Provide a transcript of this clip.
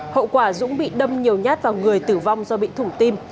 hậu quả dũng bị đâm nhiều nhát vào người tử vong do bị thủng tim